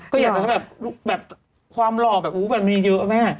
ก็อยากจะให้แบบความหล่อแบบมีเยอะแม่